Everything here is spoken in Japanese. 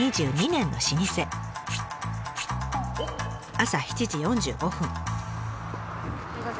朝７時４５分。